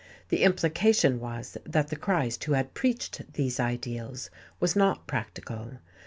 The implication was that the Christ who had preached these ideals was not practical....